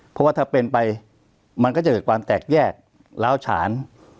เพราะว่าถ้าเป็นไปมันก็จะเกิดความแตกแยกล้าวฉาน